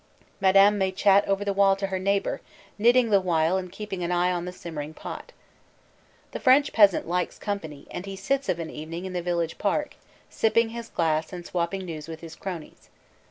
Madame may chat over the wall to her neighbor, knitting the while and keeping an eye on the simmering pot. The French peasant likes company and he sits of an evening in the village park, sipping his glass and swapping news with his cronies.